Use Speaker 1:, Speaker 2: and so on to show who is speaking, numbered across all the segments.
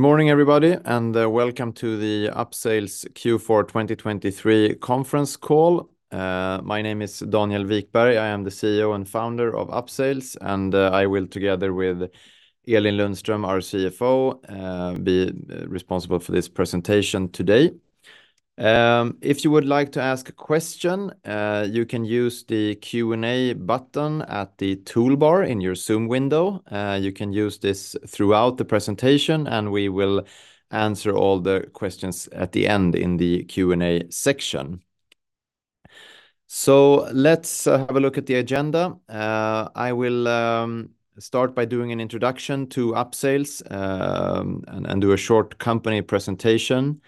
Speaker 1: Good morning, everybody, and welcome to the Upsales Q4 2023 conference call. My name is Daniel Wikberg. I am the CEO and founder of Upsales, and I will, together with Elin Lundström, our CFO, be responsible for this presentation today. If you would like to ask a question, you can use the Q&A button at the toolbar in your Zoom window. You can use this throughout the presentation, and we will answer all the questions at the end in the Q&A section. Let's have a look at the agenda. I will start by doing an introduction to Upsales and do a short company presentation.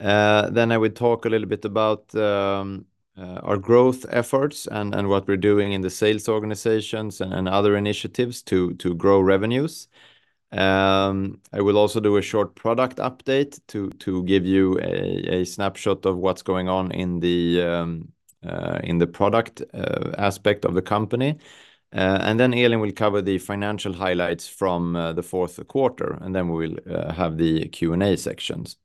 Speaker 1: I would talk a little bit about our growth efforts and what we're doing in the sales organizations and other initiatives to grow revenues. I will also do a short product update to give you a snapshot of what's going on in the product aspect of the company. Then Elin will cover the financial highlights from the fourth quarter, and then we will have the Q&A sections.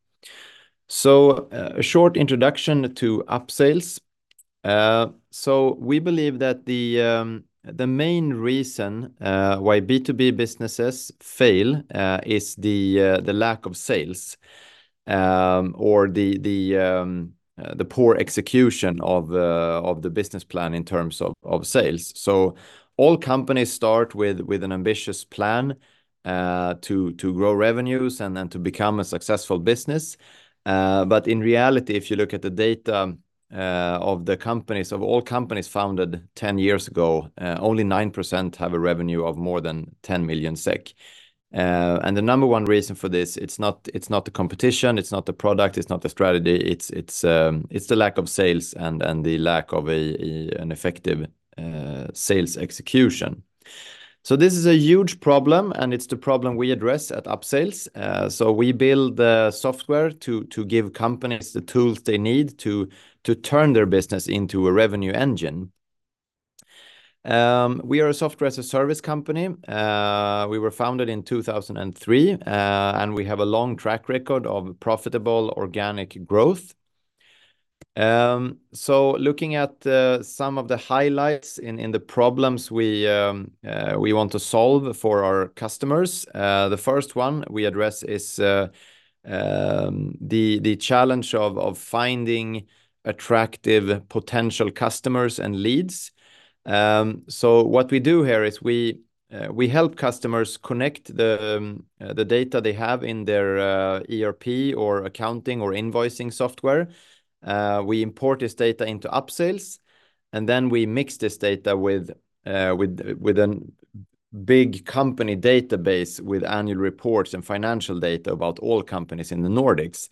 Speaker 1: So, a short introduction to Upsales. So we believe that the main reason why B2B businesses fail is the lack of sales or the poor execution of the business plan in terms of sales. So all companies start with an ambitious plan to grow revenues and then to become a successful business. But in reality, if you look at the data of the companies of all companies founded 10 years ago, only 9% have a revenue of more than 10 million SEK. The number one reason for this, it's not the competition, it's not the product, it's not the strategy, it's the lack of sales and the lack of an effective sales execution. So this is a huge problem, and it's the problem we address at Upsales. We build software to give companies the tools they need to turn their business into a revenue engine. We are a software as a service company. We were founded in 2003, and we have a long track record of profitable organic growth. Looking at some of the highlights in the problems we want to solve for our customers, the first one we address is the challenge of finding attractive potential customers and leads. So what we do here is we help customers connect the data they have in their ERP or accounting or invoicing software. We import this data into Upsales. And then we mix this data with a big company database with annual reports and financial data about all companies in the Nordics,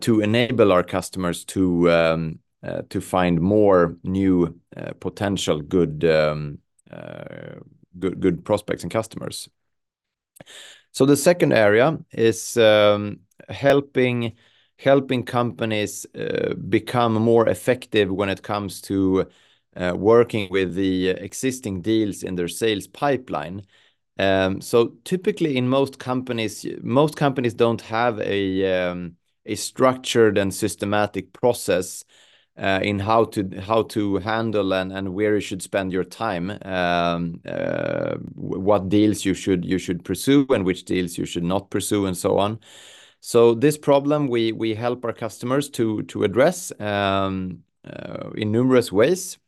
Speaker 1: to enable our customers to find more new, potential good prospects and customers. So the second area is helping companies become more effective when it comes to working with the existing deals in their sales pipeline. Typically in most companies, most companies don't have a structured and systematic process in how to handle and where you should spend your time, what deals you should pursue and which deals you should not pursue and so on. So this problem we help our customers to address in numerous ways.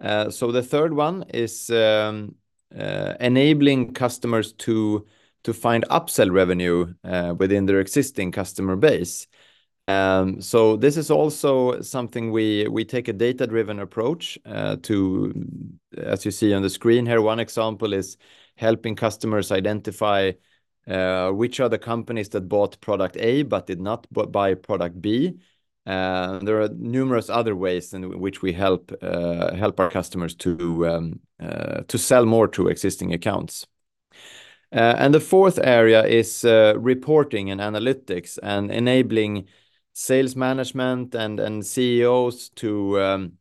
Speaker 1: So the third one is enabling customers to find upsell revenue within their existing customer base. So this is also something we take a data-driven approach to, as you see on the screen here. One example is helping customers identify which are the companies that bought product A but did not buy product B. There are numerous other ways in which we help our customers to sell more to existing accounts. And the fourth area is reporting and analytics and enabling sales management and CEOs to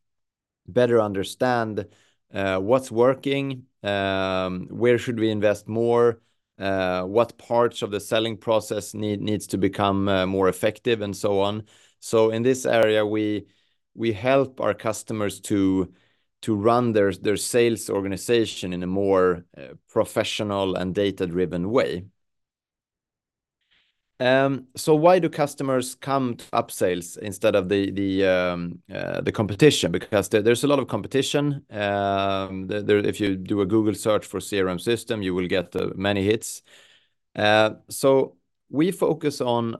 Speaker 1: better understand what's working, where should we invest more, what parts of the selling process need to become more effective and so on. So in this area, we help our customers to run their sales organization in a more professional and data-driven way. So why do customers come to Upsales instead of the competition? Because there's a lot of competition. If you do a Google search for CRM system, you will get many hits. So we focus on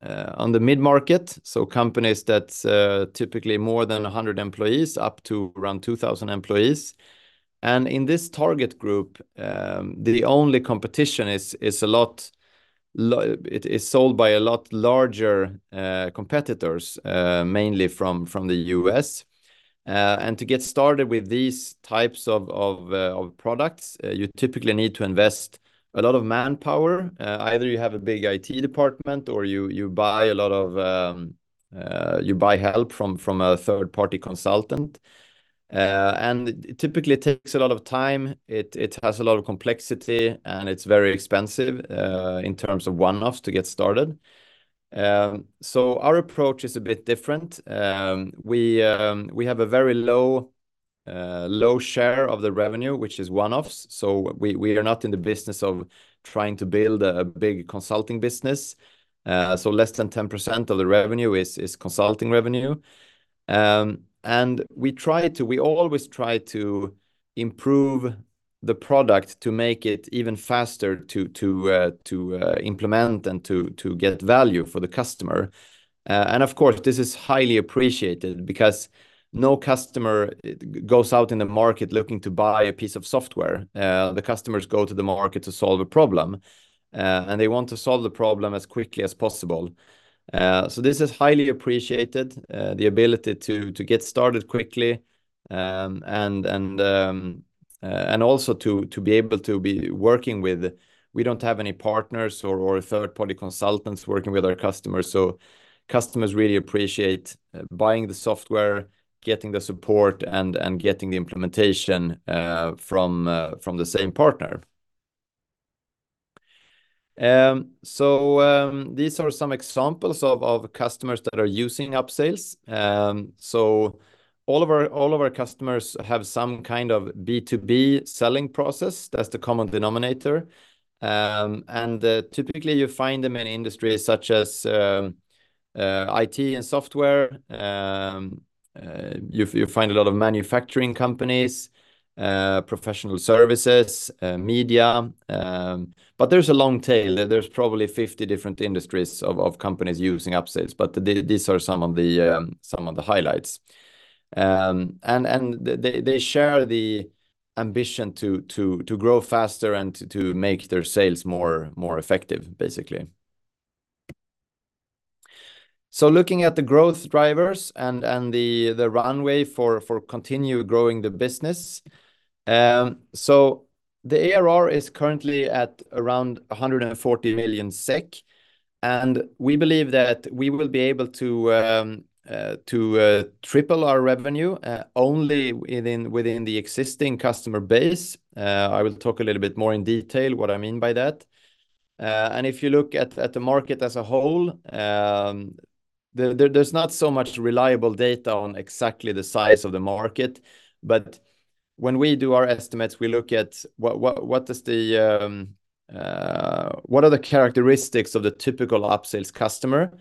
Speaker 1: the mid-market, companies that's typically more than 100 employees, up to around 2,000 employees. And in this target group, the only competition is a lot. It is sold by a lot larger competitors, mainly from the U.S. To get started with these types of products, you typically need to invest a lot of manpower. Either you have a big IT department or you buy a lot of help from a third-party consultant. It typically takes a lot of time. It has a lot of complexity and it's very expensive, in terms of one-offs to get started. So our approach is a bit different. We have a very low share of the revenue, which is one-offs. So we are not in the business of trying to build a big consulting business. So less than 10% of the revenue is consulting revenue. And we always try to improve the product to make it even faster to implement and to get value for the customer. And of course, this is highly appreciated because no customer goes out in the market looking to buy a piece of software. The customers go to the market to solve a problem. And they want to solve the problem as quickly as possible. This is highly appreciated, the ability to get started quickly. And also to be able to be working with. We don't have any partners or third-party consultants working with our customers. So customers really appreciate buying the software, getting the support, and getting the implementation from the same partner. These are some examples of customers that are using Upsales. All of our customers have some kind of B2B selling process. That's the common denominator. Typically you find them in industries such as IT and software. You find a lot of manufacturing companies, professional services, media. But there's a long tail. There's probably 50 different industries of companies using Upsales, but these are some of the highlights. They share the ambition to grow faster and to make their sales more effective, basically. So looking at the growth drivers and the runway for continue growing the business. The ARR is currently at around 140 million SEK. We believe that we will be able to triple our revenue only within the existing customer base. I will talk a little bit more in detail what I mean by that. If you look at the market as a whole, there's not so much reliable data on exactly the size of the market. But when we do our estimates, we look at what the characteristics of the typical Upsales customer are.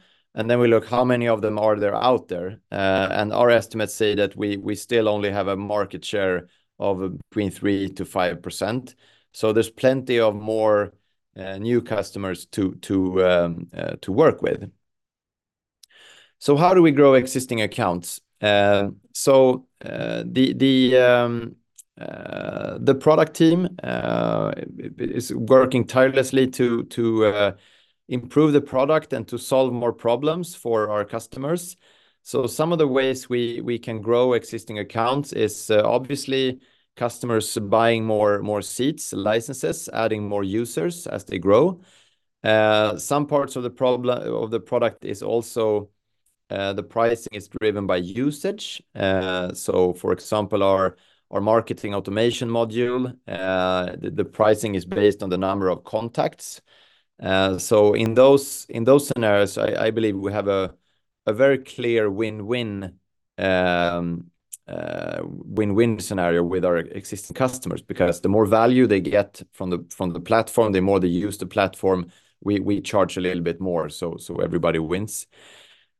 Speaker 1: Then we look how many of them are there out there. Our estimates say that we still only have a market share of between 3%-5%. So there's plenty of more new customers to work with. So how do we grow existing accounts? So, the product team is working tirelessly to improve the product and to solve more problems for our customers. Some of the ways we can grow existing accounts is obviously customers buying more seats, licenses, adding more users as they grow. Some parts of the problem of the product is also the pricing is driven by usage. So for example, our marketing automation module, the pricing is based on the number of contacts. So in those scenarios, I believe we have a very clear win-win scenario with our existing customers because the more value they get from the platform, the more they use the platform, we charge a little bit more. So everybody wins.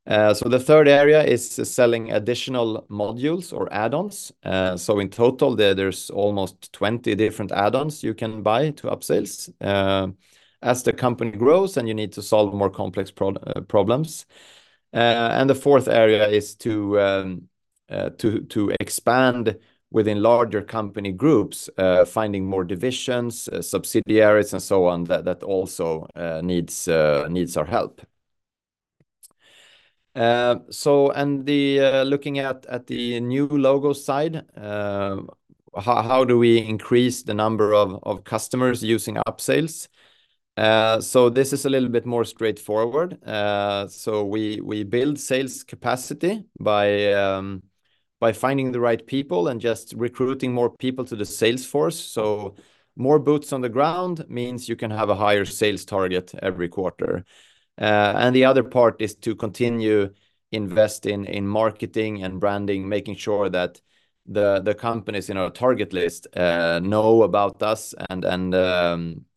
Speaker 1: The third area is selling additional modules or add-ons. In total, there's almost 20 different add-ons you can buy to Upsales. As the company grows and you need to solve more complex problems. And the fourth area is to expand within larger company groups, finding more divisions, subsidiaries, and so on that also needs our help. And looking at the new logo side, how do we increase the number of customers using Upsales? So this is a little bit more straightforward. We build sales capacity by finding the right people and just recruiting more people to the sales force. More boots on the ground means you can have a higher sales target every quarter. The other part is to continue investing in marketing and branding, making sure that the companies in our target list know about us and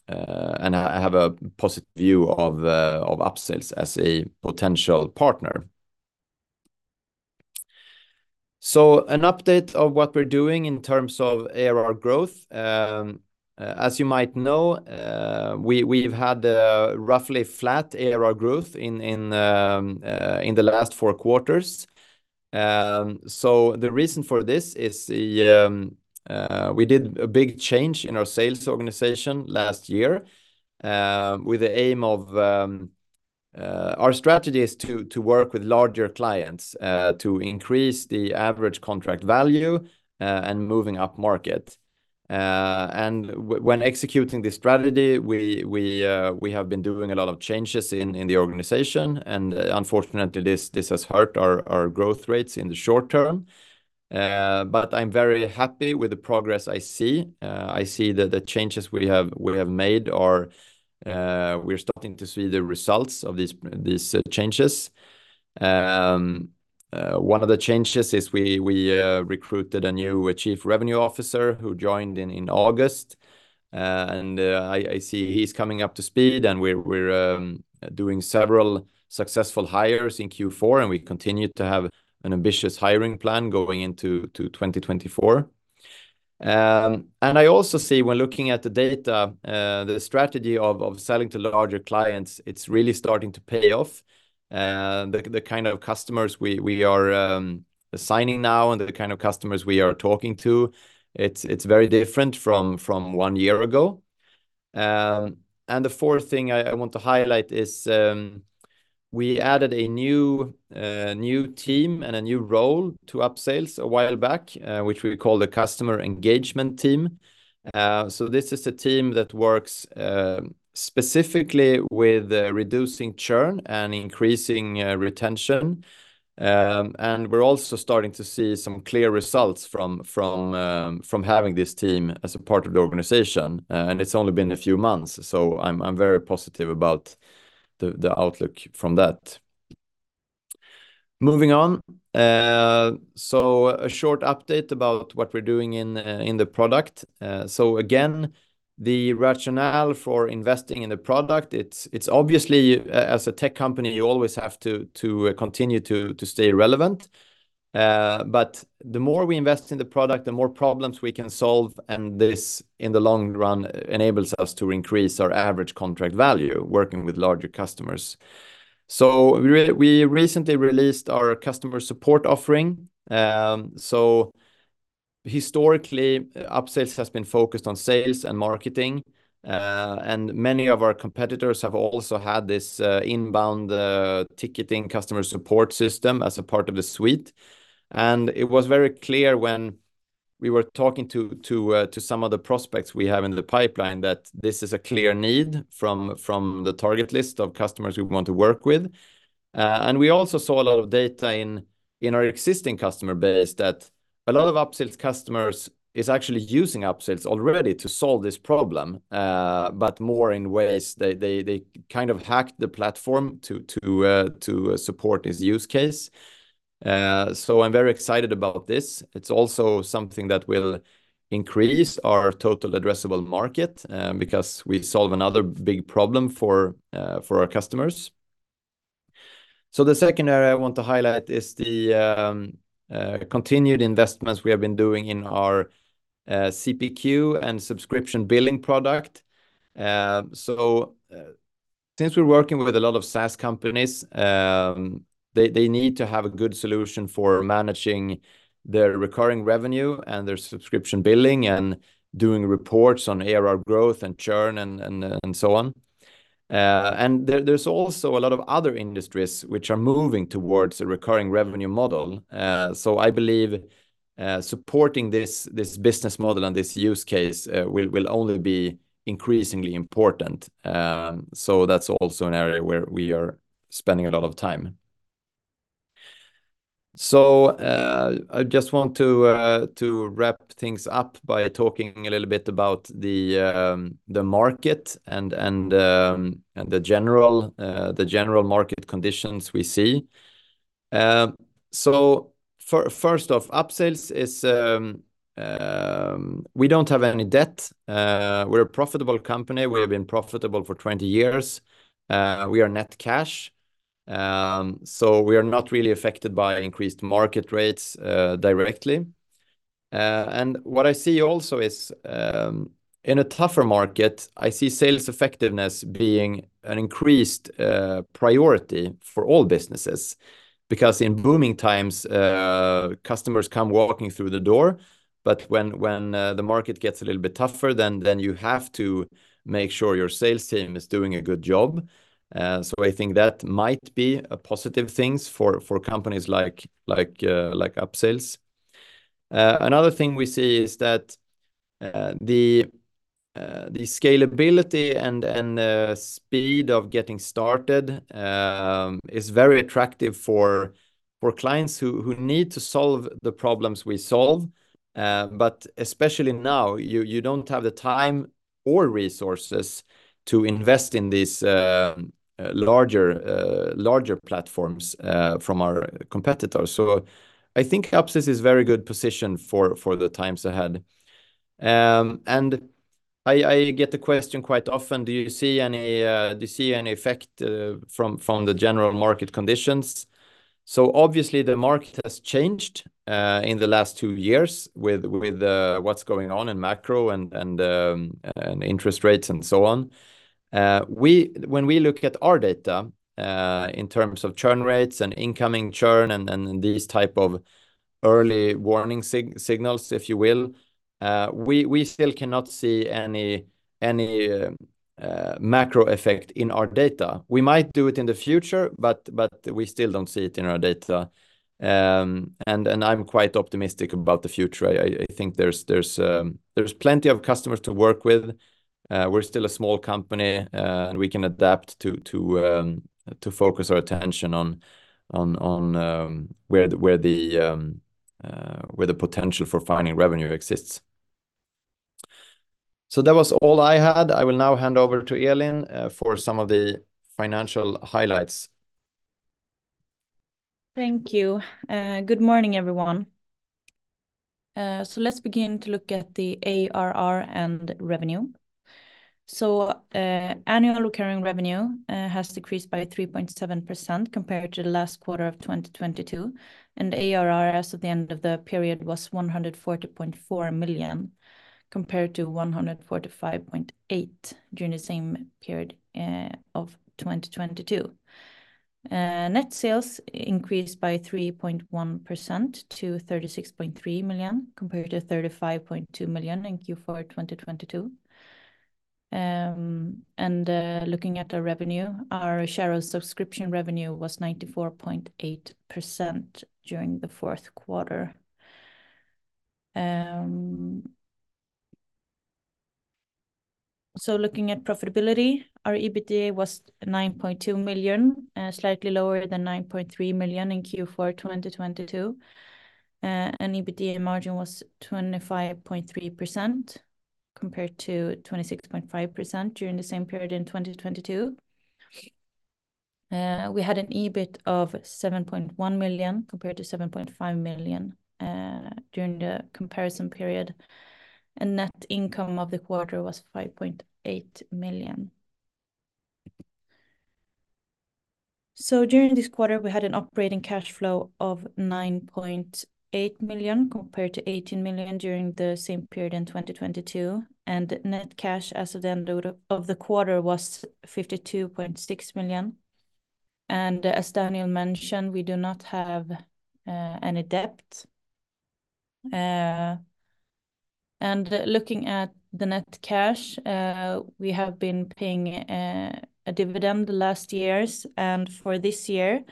Speaker 1: have a positive view of Upsales as a potential partner. An update of what we're doing in terms of ARR growth. As you might know, we've had roughly flat ARR growth in the last four quarters. The reason for this is that we did a big change in our sales organization last year. The aim of our strategy is to work with larger clients, to increase the average contract value, and moving up market. When executing this strategy, we have been doing a lot of changes in the organization. Unfortunately, this has hurt our growth rates in the short term. I'm very happy with the progress I see. I see that the changes we have made and we're starting to see the results of these changes. One of the changes is we recruited a new Chief Revenue Officer who joined in August. I see he's coming up to speed and we're doing several successful hires in Q4 and we continue to have an ambitious hiring plan going into 2024. I also see when looking at the data, the strategy of selling to larger clients, it's really starting to pay off. The kind of customers we are assigning now and the kind of customers we are talking to, it's very different from one year ago. And the fourth thing I want to highlight is we added a new team and a new role to Upsales a while back, which we call the customer engagement team. So this is a team that works specifically with reducing churn and increasing retention. And we're also starting to see some clear results from having this team as a part of the organization. And it's only been a few months, so I'm very positive about the outlook from that. Moving on. So a short update about what we're doing in the product. So again, the rationale for investing in the product, it's obviously as a tech company, you always have to continue to stay relevant. But the more we invest in the product, the more problems we can solve. And this in the long run enables us to increase our average contract value working with larger customers. So we really recently released our customer support offering. So historically, Upsales has been focused on sales and marketing. And many of our competitors have also had this inbound ticketing customer support system as a part of the suite. And it was very clear when we were talking to some of the prospects we have in the pipeline that this is a clear need from the target list of customers we want to work with. We also saw a lot of data in our existing customer base that a lot of Upsales customers is actually using Upsales already to solve this problem, but more in ways they kind of hacked the platform to support this use case. I'm very excited about this. It's also something that will increase our total addressable market, because we solve another big problem for our customers. The second area I want to highlight is the continued investments we have been doing in our CPQ and subscription billing product. Since we're working with a lot of SaaS companies, they need to have a good solution for managing their recurring revenue and their subscription billing and doing reports on ARR growth and churn and so on. And there's also a lot of other industries which are moving towards a recurring revenue model. So I believe supporting this business model and this use case will only be increasingly important. So that's also an area where we are spending a lot of time. So, I just want to wrap things up by talking a little bit about the market and the general market conditions we see. So first off, Upsales is, we don't have any debt. We're a profitable company. We have been profitable for 20 years. We are net cash. So we are not really affected by increased market rates, directly. And what I see also is, in a tougher market, I see sales effectiveness being an increased priority for all businesses because in booming times, customers come walking through the door. But when the market gets a little bit tougher, then you have to make sure your sales team is doing a good job. So I think that might be a positive thing for companies like Upsales. Another thing we see is that the scalability and the speed of getting started is very attractive for clients who need to solve the problems we solve. But especially now, you don't have the time or resources to invest in these larger platforms from our competitors. So I think Upsales is a very good position for the times ahead. And I get the question quite often, do you see any effect from the general market conditions? So obviously the market has changed in the last two years with what's going on in macro and interest rates and so on. We when we look at our data in terms of churn rates and incoming churn and these type of early warning signals, if you will, we still cannot see any macro effect in our data. We might do it in the future, but we still don't see it in our data. I'm quite optimistic about the future. I think there's plenty of customers to work with. We're still a small company and we can adapt to focus our attention on where the potential for finding revenue exists. So that was all I had. I will now hand over to Elin for some of the financial highlights.
Speaker 2: Thank you. Good morning, everyone. So let's begin to look at the ARR and revenue. Annual recurring revenue has decreased by 3.7% compared to the last quarter of 2022. ARR as of the end of the period was 140.4 million compared to 145.8 million during the same period of 2022. Net sales increased by 3.1% to 36.3 million compared to 35.2 million in Q4 2022. Looking at our revenue, our share of subscription revenue was 94.8% during the fourth quarter. Looking at profitability, our EBITDA was 9.2 million, slightly lower than 9.3 million in Q4 2022. An EBITDA margin was 25.3% compared to 26.5% during the same period in 2022. We had an EBIT of 7.1 million compared to 7.5 million during the comparison period. Net income of the quarter was 5.8 million. So during this quarter, we had an operating cash flow of 9.8 million compared to 18 million during the same period in 2022. And net cash as of the end of the quarter was 52.6 million. And as Daniel mentioned, we do not have any debt. And looking at the net cash, we have been paying a dividend the last years. And for this year,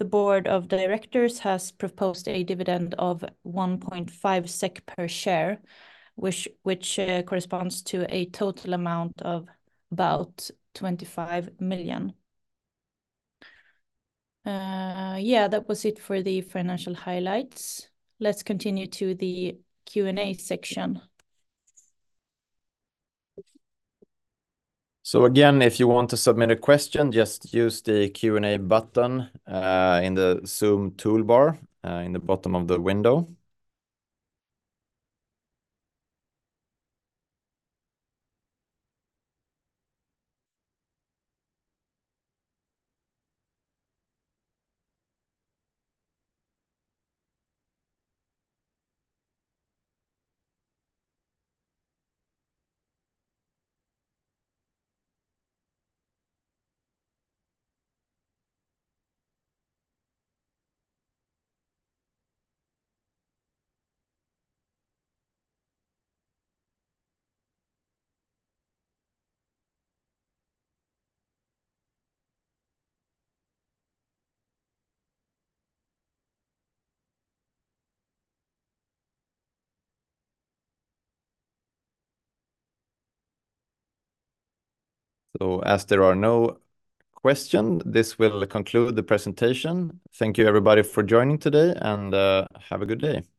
Speaker 2: the board of directors has proposed a dividend of 1.5 SEK per share, which corresponds to a total amount of about 25 million. Yeah, that was it for the financial highlights. Let's continue to the Q&A section.
Speaker 1: So again, if you want to submit a question, just use the Q&A button in the Zoom toolbar in the bottom of the window. So as there are no questions, this will conclude the presentation. Thank you, everybody, for joining today and have a good day.